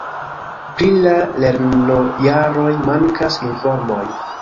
Pri la lernojaroj mankas informoj.